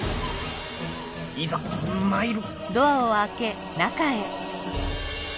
いざ参る！